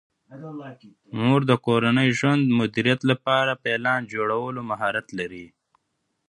مور د کورني ژوند د مدیریت لپاره د پلان جوړولو مهارت لري.